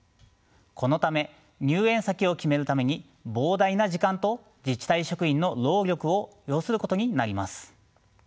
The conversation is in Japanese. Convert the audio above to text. このため入園先を決めるために膨大な時間と自治体職員の労力を要することになります。